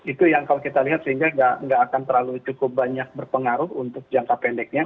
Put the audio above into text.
itu yang kalau kita lihat sehingga nggak akan terlalu cukup banyak berpengaruh untuk jangka pendeknya